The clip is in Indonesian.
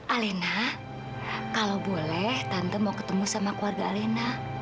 alena kalau boleh tante mau ketemu sama keluarga alena